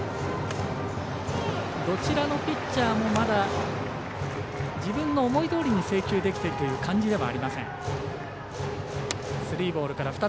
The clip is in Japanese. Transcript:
どちらのピッチャーもまだ、自分の思いどおりに制球できている感じではありません。